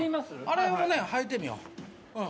あれもねはいてみよう